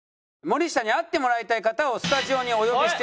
森下に会ってもらいたい方をスタジオにお呼びしております。